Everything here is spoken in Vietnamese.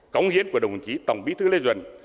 cống hiến của đồng chí tổng bí thư lê duẩn